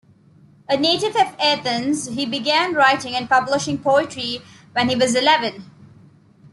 A native of Athens, he began writing and publishing poetry when he was eleven.